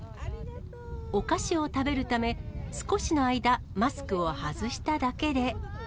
お菓子を食べるため、少しの間、マスクを外しただけで。